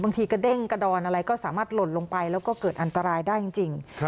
กระเด้งกระดอนอะไรก็สามารถหล่นลงไปแล้วก็เกิดอันตรายได้จริง